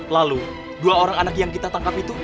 lalu dua orang anak yang kita tangkap itu